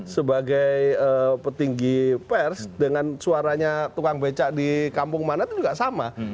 sebagai petinggi pers dengan suaranya tukang becak di kampung mana itu juga sama